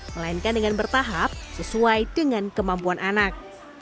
melainkan dengan bertahap sesuai dengan kemampuan anak